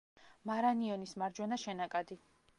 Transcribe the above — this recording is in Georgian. მარანიონის მარჯვენა შენაკადი.